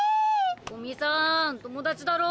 古見さん友達だろ？